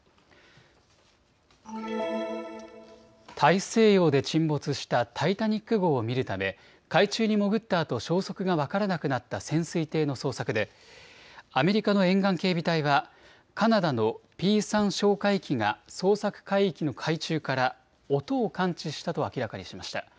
大西洋で沈没したタイタニック号を見るため海中に潜ったあと、消息が分からなくなった潜水艇の捜索でアメリカの沿岸警備隊がカナダのＰ３哨戒機が捜索海域の海中から音を感知したと明らかにしました。